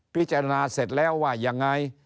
พิจารณาเสร็จแล้วว่ายังไง